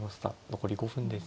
残り５分です。